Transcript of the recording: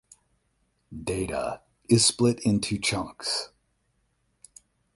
Data is split into chunks.